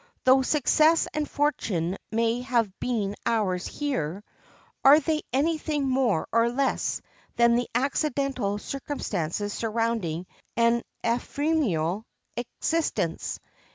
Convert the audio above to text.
Though success and fortune may have been ours here, are they any thing more or less than the accidental circumstances surrounding an ephemeral existence?